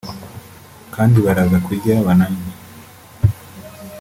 kandi baraza kurya bananywe